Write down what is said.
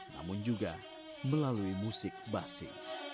namun juga melalui musik basi